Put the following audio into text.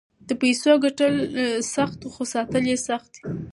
د پیسو ګټل سخت خو ساتل یې سخت دي.